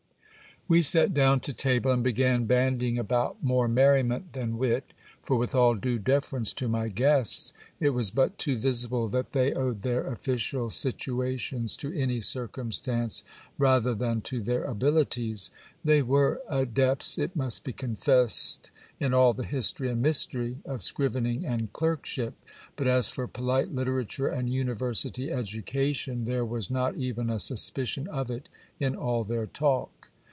We sat down to table, and began bandying about more merriment than wit ; for with all due deference to my guests, it was but too visible that they owed their official situations to any circumstance rather than to their abilities. They were adepts, it must be confessed, in all the history and mystery of scrivening and clerkship ; but as for polite literature and university education, there was not even a suspicion of it in all their talk.